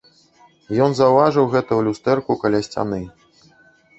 Ён заўважыў гэта ў люстэрку каля сцяны.